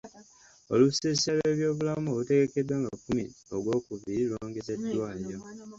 Olusiisira lw'ebyobulamu olutegekeddwa nga kkumi Ogwokubiri lwongezeddwayo.